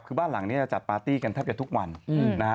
คือบ้านหลังนี้จะจัดปาร์ตี้กันแทบจะทุกวันนะฮะ